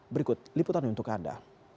berikut liputannya untuk anda